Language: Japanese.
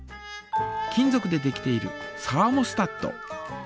金ぞくでできているサーモスタット。